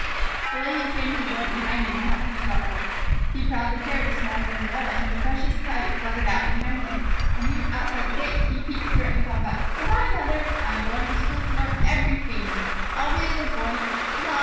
The Lady came to the door behind him and helped him start away. He proudly carried a small new umbrella, and the precious kite fluttered out behind him. When he was outside the gate, he peeped through it and called back: "Good by, Mother! I'm going to school to learn everyfing. I'll be a good Boy. Good by!"